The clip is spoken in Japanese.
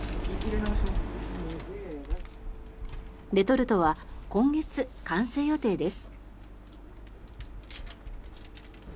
レトルトは今月、完成予定です。